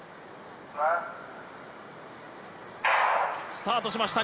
スタートしました。